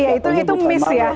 iya itu miss ya